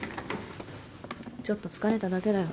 ちょっと疲れただけだよ。